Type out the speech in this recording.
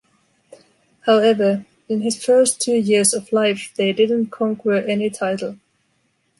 However, in his first two years of life, they didn't conquer any title.